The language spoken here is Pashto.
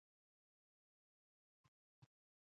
د نن کار سبا ته مه پریږدئ